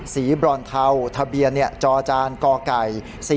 สีบรอนเทาทะเบียเนี่ยจอจานกไก่